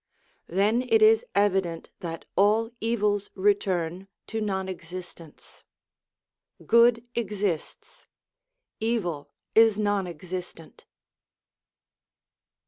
Then it is evident that all evils return to non existence. Good exists, evil is non existent.